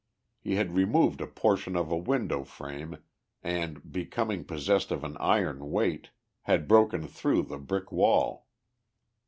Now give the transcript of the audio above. He had removed a portion of a window frame, and, becoming possessed of an iron weight, had broken through the brick wall.